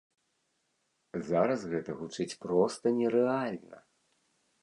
Зараз гэта гучыць проста нерэальна.